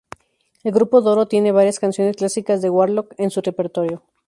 El grupo Doro tiene varias canciones clásicas de Warlock en su repertorio.